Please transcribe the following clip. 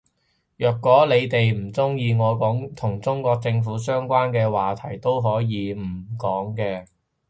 若果你哋唔鍾意我講同中國政府相關嘅話題我都可以唔講嘅